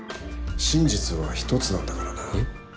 真実は１つなんだからな。えっ？